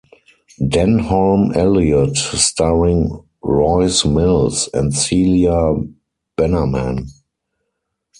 Denholm Elliott, starring Royce Mills and Celia Bannerman.